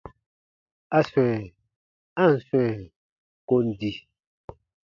A swɛ̃, a ǹ swɛ̃ kon di.